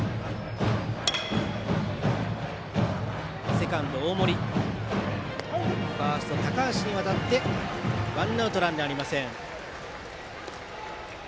セカンド大森ファースト、高橋に渡ってワンアウト、ランナーありません。